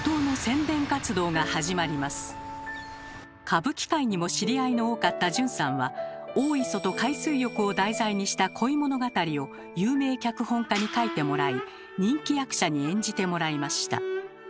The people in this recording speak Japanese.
歌舞伎界にも知り合いの多かった順さんは大磯と海水浴を題材にした恋物語を有名脚本家に書いてもらい人気役者に演じてもらいました。